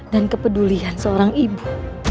dan kepedulian seorang ibu